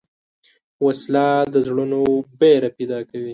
وسله د زړونو وېره پیدا کوي